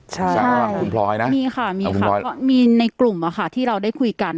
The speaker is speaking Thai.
ใช่คุณพลอยนะมีค่ะมีค่ะมีในกลุ่มอะค่ะที่เราได้คุยกัน